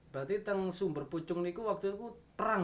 berarti di sumber pucung itu waktu itu perang